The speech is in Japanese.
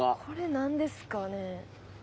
これなんですかね？